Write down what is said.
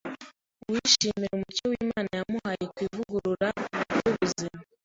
Uwishimira umucyo Imana yamuhaye ku ivugurura mu by’ubuzima